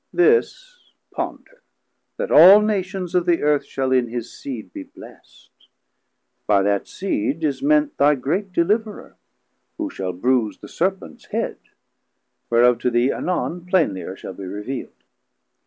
This ponder, that all Nations of the Earth Shall in his Seed be blessed; by that Seed Is meant thy great deliverer, who shall bruise The Serpents head; whereof to thee anon 150 Plainlier shall be reveald.